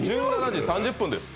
１７時３０分です